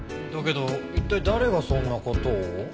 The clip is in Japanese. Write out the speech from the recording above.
だけど一体誰がそんな事を？